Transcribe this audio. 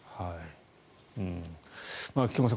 菊間さん